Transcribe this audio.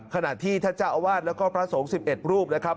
ขณะที่ท่าเจ้าอาวาสและก็พระสงสิบเอ็ดรูปนะครับ